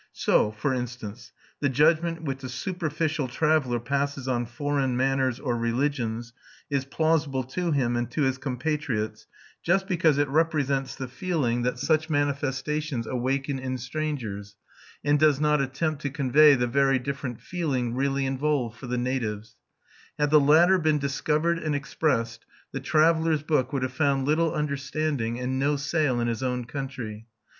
So, for instance, the judgment which a superficial traveller passes on foreign manners or religions is plausible to him and to his compatriots just because it represents the feeling that such manifestations awaken in strangers and does not attempt to convey the very different feeling really involved for the natives; had the latter been discovered and expressed the traveller's book would have found little understanding and no sale in his own country.